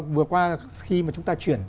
vừa qua khi mà chúng ta chuyển